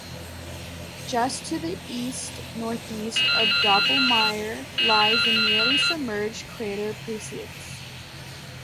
Just to the east-northeast of Doppelmayer lies the nearly submerged crater Puiseux.